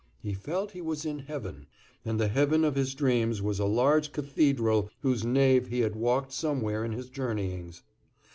He felt he was in Heaven, and the heaven of his dreams was a large Cathedral whose nave he had walked somewhere in his journeyings.